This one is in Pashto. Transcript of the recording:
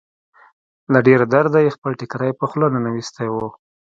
له ډېره درده يې خپل ټيکری په خوله ننوېستی و.